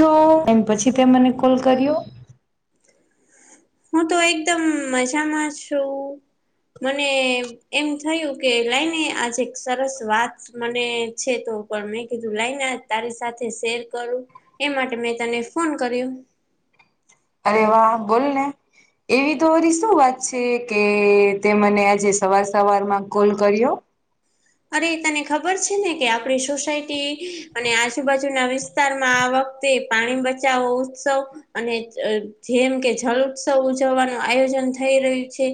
તો એન્ડ પછી તે મને કોલ કર્યો? હું તો એકદમ મજામાં છું. મને એમ થયું કે લઈને આજે એક સરસ વાત, મને છે તો પણ મેં કીધું લાઈને તારી સાથે શેર કરું. એ માટે મેં તને ફોન કર્યું. અરે વાહ! બોલ ને. એવી તો વરી શું વાત છે કે તે મને આજે સવાર સવારમાં કોલ કર્યો? અરે તને ખબર છે ને કે આપડી સોસાયટી અને આજુબાજુના વિસ તારમાં આ વખતે પાણી બચાવો ઉત્સવ, અને અ જેમ કે જળ ઉત્સવ ઉજવવાનું આયોજન થઈ રહ્યું છે.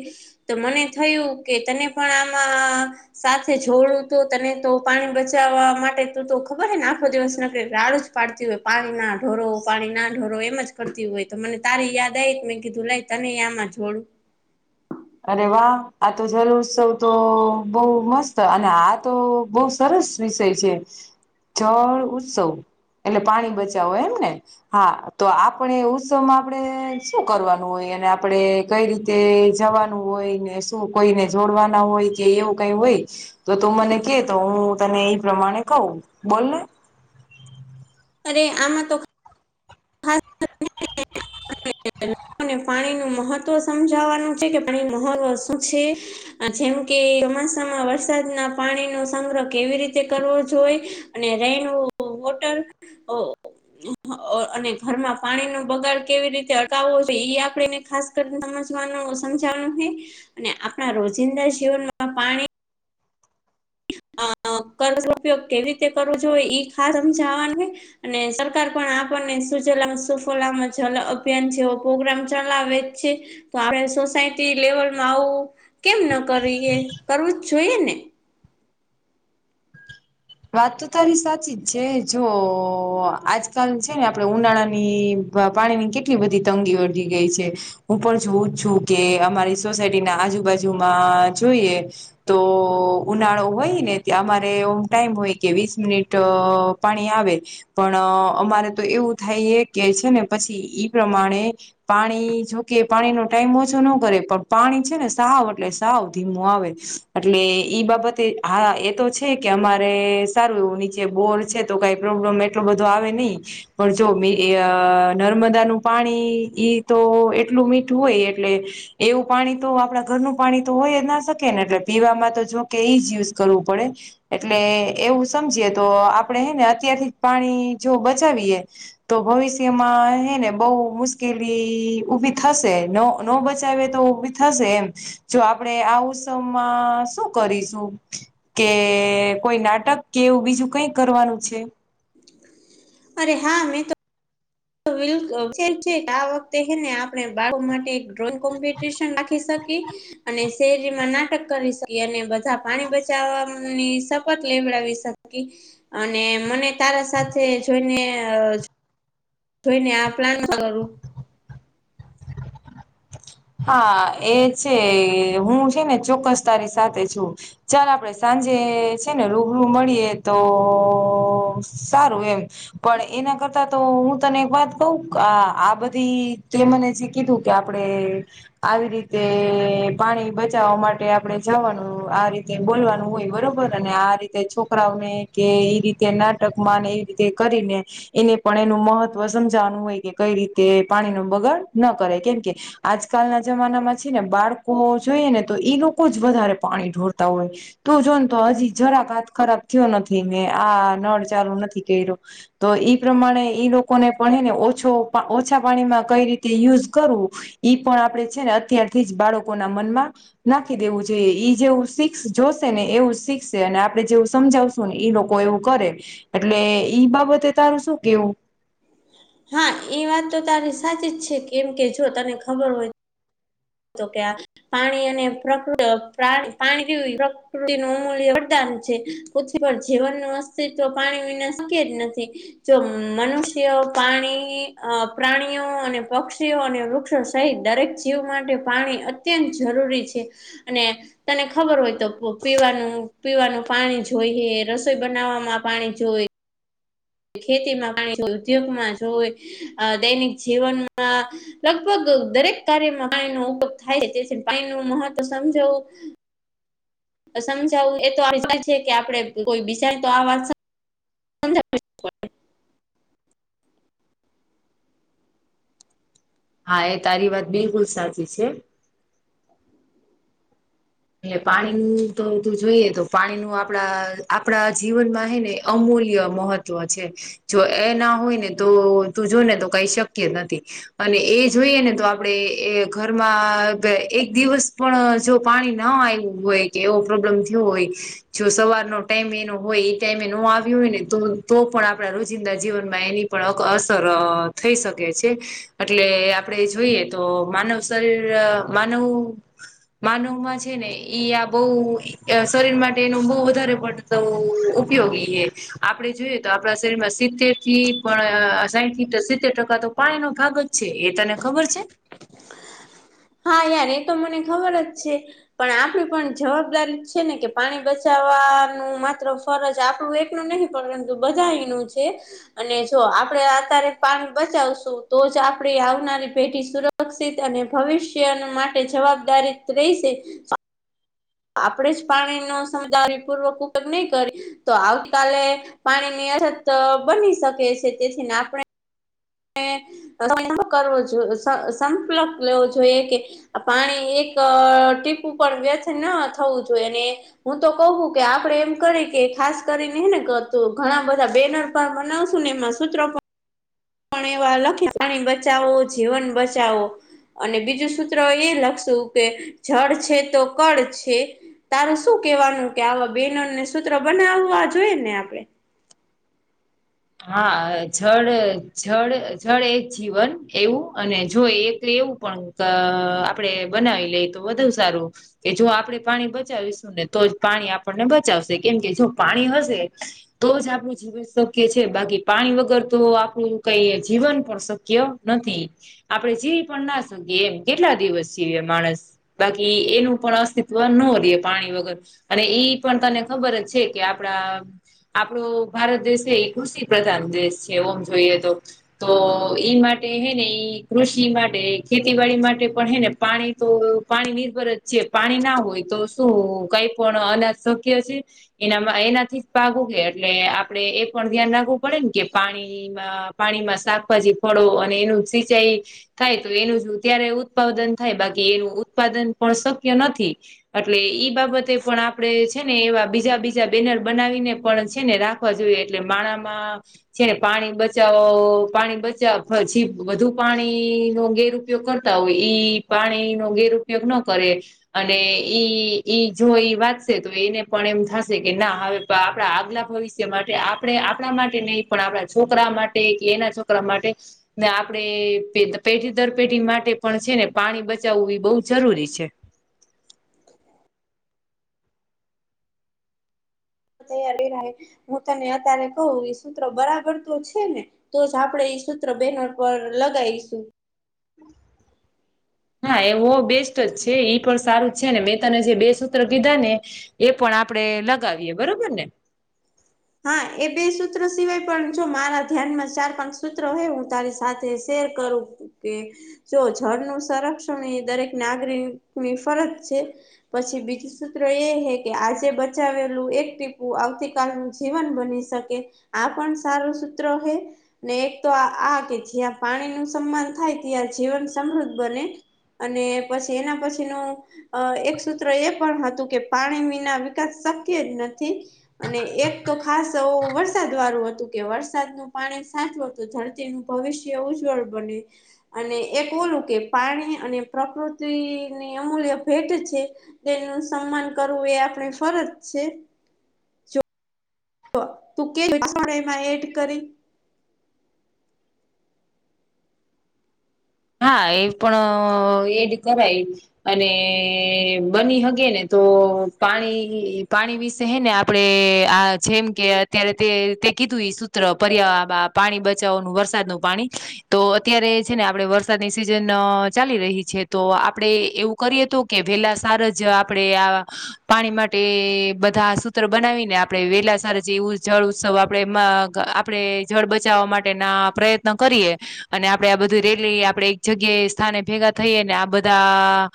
તો મને થયું કે તને પણ આમાં સાથ થે જોડું તો તને તો પાણી બચાવવા માટે તું તો ખબર ને આખો દિવસ રાડુ જ પાડતી હોય પાણી ના ઢોરો પાણી ના ઢોરો એમ જ કરતી હોય તો મને તારી યાદ આવી મેં કીધું લાઈ, તને આમાં જોડું, અરે વાહ! આ તો જલ ઉત્સવ તો બહુ મસ્ત અને આ તો બહુ સરસ, વિષય છે જળ ઉત્સવ એટલે પાણી બચાવો એમ ને. હા, તો આપણે ઉત્સવમાં આપણે શું કરવાનું હોય અને આપણે કઈ રીતે જવાન હોયને શું કોઈને જોડવાના હોય કે એવું કઈ હોય, તો તું મને કે તો હું તને એ પ્રમાણે કહું બોલને, અરે આમાં તો [unintelligible] અને પાણી નું મહત્વ સમજાવાનું છે કે પાણી મહત્વ શું છે જેમ કે ચોમાસામાં વરસાદના પાણી નો સંગ્રહ કેવી રીતે કરવો જોઈ અને રેન વોટર [unintelligible] અને ઘરમાં પાણી નો બગાડ કેવી રીતે અટકાવવો છે ઈ આપડીને ખાસ કરીને સમજ વાનોસંચાલન હે અને આપણા રોજિંદા જીવનમાં પાણી અ કર્જ ઉપયોગ કેવી રીતે કરવો જોઈએ ઈ ખાસ સમજાવાની અને સરકાર પણ આપણને સુલામ સુફલામ જલ અભિયાન જેવો પ્રોગ્રામ ચલાવે જ છે. તો આપણે સોસાયટી લેવલમાં આવું કેમ ન કરીએ કરવું જ જોઈએ ને. વાત તો તારી સાચી જ છે જો આજકાલ છે ને આપડે ઉનાળાની પાણીની કેટલી બધી તંગી વધી ગઈ છે હું પણ જોઉ જ છું કે અમારી સોસાયટી ના આજુબાજુમાં જોઈએ તો ઉનાળો હોય ને ત્યાં અમારે ટાઈમ હોય કે વીસ મિનિટ અ પાણી આવે પણ અમારે તો એવું થાય એ કે છે ને પછી ઈ પ્રમાણે પાણી જોકે પાણીનો ટાઈમ ઓછો ન કરે પણ પાણી છે ને સાવ એટલે સાવ ધીમું આવે એટલે ઈ બાબતે હા એ તો છે કે અમા રે સારું એવું નીચે બોર છે તો કઈ પ્રોબ્લેમ એટલો બધો આવે ની પણ જો બી એ અ નર્મદાનું પાણી ઈ તો એટલું મીઠું હોય એટલે એવું પાણી તો આપડા ઘરનું પાણી તો હોય જ ના શકે ને એટલે પીવામાં તો જો કે એઈ જ યૂસ કરવું પડે એ ટલે એવું સમજીએ તો આપડે હે ને અત્યારથી પાણી જો બચાવીએ તો ભવિષ્યમાં હે ને બઉ મુશ કેલી ઉભી થશે નો નો બચાવે તો ઊભી થશે એમ જો આપડે આવું સમમાં શું કરીશું કે કોઈ નાટક કે એવું બીજું કઈ કરવાનું છે. અરે હા મેં તો બિલક છે છે આ વખતે હેને આપણે બાળકો માટે એક ડ્રોઈંગ કોમ્પિટિશન રાખી શકી અને શેરી માં નાટક કરી શકીએ અને બધા પાણી બચાવવાની શપત લેવડાવી શક કી અને મને તારા સાથે જોઈને અ જોઈ ને આ પ્લાનમાં કરું હા, એ છે હું છે ને ચોક્કસ તારી સાથે છું. ચાલ આપડે સાંજે છે ને રૂબરૂ મળીએ તો સારું એમ પણ એના કરતા તો હું તને એક વાત કવ આ બધી મને જે કીધું કે આપડે આવી રીતે પાણી બચાવવા માટે આપડે જવાનું આ રી કે બોલવાનું હોય બરોબર અને આ રીતે છોકરાઓને કે ઈ રીતે નાટકમાં ને તે કરીને એને પણ એનું મહત્વ સમજાવાનું હોય કે કઈ રીતે પાણી ન બગાડ ન કરે કેમ કે આજકાલના જમાનામાં છે ને બાળકો જોઈએ ને તો એ લોકો જ વધારે પાણી ઢોળતા હોય તું જોને તો હજી જરાક હાથ ખરાબ થયો નથી મેને આ નળ ચાલુ નથી કર્યો તો ઈ પ્રમાણે ઈ લોકોને પણને ઓછો ઓછા પાણીમાં કઈ રીતે યુઝ કરવું ઈ પણ આપડે છે ને અત્યારથી જ બાળકોના મનમાં નાખી દેવું જોઈએ ઈ જેવું શીખ જોશે ને એવું જ શીખશે અને આપડે જેવું સમજાવ ને ઈ લોકો એવું કરે એટલે ઈ બાબતે તારું શું કેવું હા એ વાત તો તારી સાચી જ છે કેમ કે જો તને ખબર હોય. તો ક પાણી અને પ્રક પાણી કેવી પ્રકૃતિ ન અમૂલ્ય વધતાાનું છે. પૃથ્વી પર જીવન ન અસ્તિત્વ પાણી વિના શક જ નથી. જો મનુષ્ય પાણી પ્રાણીઓ અને પક્ષીઓ અને વૃક્ષ સહિત દરેક જીવ માટે પાણી અત્યંત જરૂરી છે, અને તને ખબર હોય તો પીવાનું પીવાનું પાણી જોઈએ રસોઈ બનાવવામાં પાણી જોઈ. ખેતીમાં પાણી ઉદ્યોગમાં જોય, દૈનિક જીવનમાં લગભગ દરેક કાર્યમાં પાણીનો ઉપયોગ થાય તેથી પાણી નું મહત્વ સમજાવવું. સમજાવું એ તો છે કે આપડે કોઈ બિચાર તો આ વાત પચ [unintelligible] હા એ તારી વાત બિલકુલ સાચી છે. એ પાણીનું તો તું જોઈએ તો પાણી નું આપણા આપણા જીવનમાં હે ને અમૂલ્ય મહત્વ છે, જો એ ના હોય ને તો તું જોને તો કઈ શક્ય નથી. અને એ જોઈએ ને તો આપણેે એ ઘરમાં એક દિવસ પણ જો પાણી ના આવ્યું હોય કે એવો પ્રોબ્લેમ થયો હોય. જો સવારનો ટાઈમ એનો હોય એ ટાઈમે ન આવ્યો હોય ને તો તો પણ આપણા રોજિંદા જીવનમાં એની પણ અસર થઈ શકે છે. એટલે આપડે જોઈએ તો માનવ શરીર માનવ માનવમાં છે. છે ને ઈ આ બહ શરીર માટે એનું બહ વધારે પડતો ઉપયોગી એ. આપડે જોઈએ તો આપણા શરીર માં સિત્તેર થી પણ અસાઠ થી સિત્તેર ટકા તો પાણી એ ન ભાગ જ છે એ તને ખબર છે? હ [inaudible] હા યાર એ તો મને ખબર હ છે. પણ આપણી પણ જવાબદારી છે ને કે પાણી બચાવવાનું માત્ર ફરજ આપણું એક ન નહી પર પરંતુ બધા એ ન છે. અને જો આપડે અત્યારે પાણી બચાવશું તો જ આપણે આવનારી પેઢી સુરક્ષ સુરક્ષ અને ભવિષ્ય માટે જવાબદારી રહેશે. આપડે જ પાણી નો સમજારપૂર્વક ઉપયોગ નહી કરી તો આવતીકાલે પાણી ની અછત બની શકે છે તેથીને આપણે કરવ જોએ સંપલપ લેવો જોઈએ કે આ પાણી એક ટીપું પણ વ્યથ ન થવું જોઈએ અને. હું તો કઉું કે આપડે એમ કરી કે ખાસ કરીને ને ઘણા બધા બેનર બનાવશું ને એમાં સત્ર પણ એવા લખી પાણી બચાવો જીવન બચાવો. અને બીજું સૂત્ર એ લખશું કે, જળ છે તો કરડ છે. તારે શું કેવાનું કે? આવા બહેનોને સૂત્ર બનાવવા જોઈએ ને આપડે? હા! જળ જળ જળ એ જ જીવન એવું અને જોય એક એવું પણ અ આપડે બનાવી લઈ તો વધુ સારું. કે જો આપણેે પાણી બચાવીશું ને તો જ પાણી આપણને બચાવશે કેમ કે જો પાણી હશે. તો જ આપું જ શ છે બાકી પાણી વગર તો આપણું કઈ જીવન પણ શક્ય નથી. આપણેે જીવી પણ ના શું કે, એમ કેટલા દિવસ જીવી માણસ? બાકી એનું પણ અસ્તિત્વ ન રહે પાણી વગર. અને ઈ પણ તને ખબર જ છે કે, આપડા આપડો ભારત દેશ. એ કૃષિ પ્રધાન દેશ છે ઓમ જોઈએ તો. તો ઈ માટે હે ને ઈ કૃષિ માટે ખેતીવાડી માટે, પણ હે ને પાણી તો. પાણી નિર્ભર જ છે. પાણી ના હોય તો, શું કઈ પણ અનાજ શક્ય છે? એનામાં એનાથી પાક ઉગે એટલે આપડે એ પણ ધ્યાન રાખવું પડે ને કે પાણીમાં પાણીમાં શાકભાજી ફળો અને એનું સિંચાઈ થાય તો એનું જ ત્યારે ઉત્પાદન થાય બાકી એનું ઉત્પાદન પણ શક્ય નથી. એટલે ઈ બાબતે પણ આપડે છે ને એવા બીજા બીજા બેનર બનાવીને પણ છે ને રાખવા જોઈએ. એટલે માળામાં. છે ને પાણી બચાવો પાણી બચાવ પછી વધુ પાણી નું ગેર ઉપયોગ કરતા હોય ઈ પાણી નો ગેરઉપયોગ ન કરે. અને ઈ ઈ જો ઈ વાંચશે તો, એને પણ એમ થશે કે ના હવે આપડા આગલા ભવિષ્ય માટે આપ પડે આપડા માટે નહી પણ આપડા છોકરા માટે કે એના છોકરા માટે ને આપડે પેઢી દર પેઢી માટે પણ છે ને, પાણી બચાવવું એ બહુ જરૂરી છે. તૈયાર હું તને અત્યારે કહું, એ સૂત્ર બરાબર તો છે ને. તો જ આપડે એ સૂત્ર બેનર પર લગાવીશું. હા! એવો બેસ્ટ જ છે પણ સારું. છે ને મેં તને જે બે સૂત્ર કીધા ને એ પણ આપડે લગાવીએ બરોબર ને? હા! એ બે સૂત્રો સિવાય પણ, જો મારા ધ્યાનમાં ચાર પાંચ સૂત્ર હોય હું તારી સાથે શેર કરું. કે જો જળનું સંરક્ષણ એ દરેક નાગરિકની ફરજ છે. પછી, બીજું સૂત્ર એ હે કે આજે બચાવેલું એક ટીપું આવતીકાલનું. જીવન બની શકે આ પણ સારું સૂત્ર હે. ને એક તો આ કે જ્યાં પાણી નું સન્માન થાય ત્યાં જીવન સમૃદ્ધ બને. અને પછી એના પછી નું. અ એક સૂત્ર એ પણ હતું કે, પાણી વિના વિકાસ શક્ય જ નથી. અને એક. તો ખાસ ઓ વરસાદ વાળું હતું કે વરસાદ નું પાણી સાચવું તો ધરતી ભવિષ્ય ઉજવળ બને. અને એક ઓલું કે પાણી અને પ્રકૃતિની અમૂલ્ય ભેટ છે. તેનું સન્માન કરવું એ આપડે ફરજ છે. તો તું કે [unintelligible] માં એડ કરી. હા! એ પણ એડ કરાય. અને બની હગે ને તો, પાણી પાણી વિશે હે ને પડે આ જેમ કે અત્યારે તે તે કીધું ઈ સૂત્ર પર્યા બાપ. પાણી બચાવાનું વરસાદ નું પાણી તો અત્યારે છે ને આપડે વરસ વરસાદની સિઝન ચાલી રહી છે તો આપડે એવું કરીએ. તો કે વહેલા સાર જ આપડે આ પાણી માટે બધા સૂત્ર બનાવીને, આપડે વેલા સારા જેવું જળ ઉત્સવ આપડે એ. આપડે જળ બચાવવા માટેના પ્રયત્ન કરીએ અને આપડે આ બધું રેલી આ આપડે એક જગ્યાએ સ્થાને ભેગા થઈએ ને આ બધા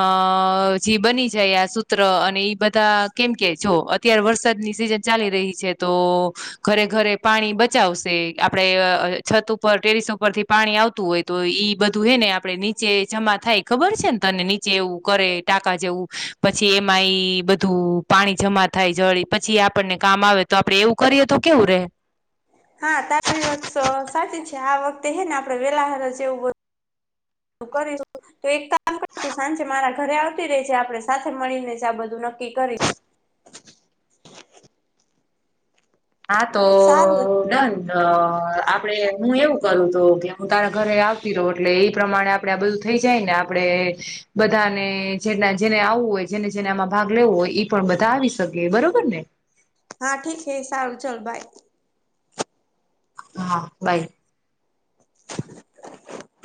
અ જે બની જાય આસુ ત્ર અને ઈ બધા કેમ કે જો અત્યારે વરસાદની સિઝન ચાલી રહી છે તો. ઘરે ઘરે પાણી બચાવશે આપડે છત ઉપર ટેરિસ ઉપર થી પાણી આવતું હોય તો ઈ. બધું હે ને આપડે નીચે જમા થાય ખબર છે ને તને નીચે એવું કરે ટાકા જેવું. પછી એમાં એ બધું પાણી જમા થાય જળી પછી આપણને કામ આવે. તો આપડે એવું કરીએ તો કેવું રેહે હા તારી વાત તો સાચી છે આ વખતે હે ને આપડે વેલા હર જેવું પ [unintelligible] તો એક કામ કર તું સાંજે મારા ઘરે આવતી રેહજે આપડે સાથે મળીને જ આ બધું નક્કી કરીશ. હા તો સારું ડન. અ આપડે હું એવું કરું તો કે હું તારા ઘરે આવતી રવ એટલે ઈ પ્રમાણે આપ આપડે આ બધું થઈ જાય ને આપણેે બધાને જેટલા જેને આવવું હોય જેને જેનામાં ભાગ લેવો હોય ઈ પણ બધા આવી શકે બરોબર ને. હા ઠીક હે સારું ચાલ બાય. હા બાય.